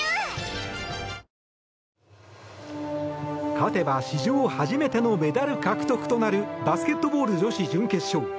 勝てば史上初めてのメダル獲得となるバスケットボール女子準決勝。